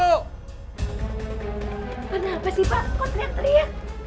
kenapa sih pak kok teriak teriak